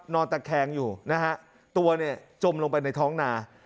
ตะแคงอยู่นะฮะตัวเนี่ยจมลงไปในท้องนา